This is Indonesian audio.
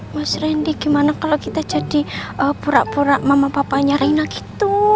mas randy gimana kalau kita jadi pura pura mama papanya raina gitu